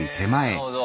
なるほど。